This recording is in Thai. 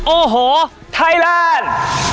โอ้โหไทยแลนด์